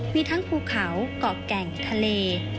มีทั้งภูเขาเกาะแก่งทะเล